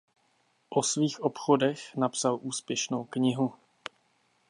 O svých obchodech napsal úspěšnou knihu.